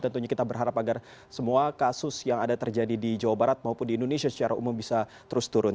tentunya kita berharap agar semua kasus yang ada terjadi di jawa barat maupun di indonesia secara umum bisa terus turun